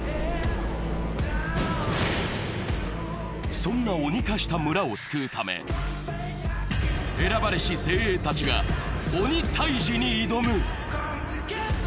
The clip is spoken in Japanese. そんな鬼化した村を救うため、選ばれし精鋭たちが鬼タイジに挑む。